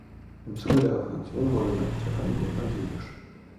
Im Zuge der Reformation wurde Sankt Stephani evangelisch.